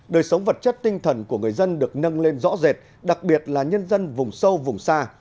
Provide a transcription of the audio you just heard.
đời sống vật chất tinh thần của người dân được nâng lên rõ rệt đặc biệt là nhân dân vùng sâu vùng xa